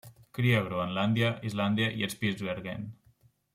Cria a Groenlàndia, Islàndia i Spitzbergen.